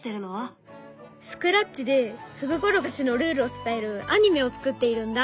スクラッチでふぐころがしのルールを伝えるアニメを作っているんだ！